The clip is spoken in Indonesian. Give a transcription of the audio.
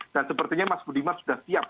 dan sepertinya mas budiman sudah siap